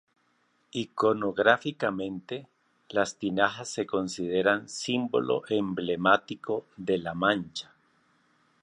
Iconográficamente, las tinajas se consideran símbolo emblemático de La Mancha.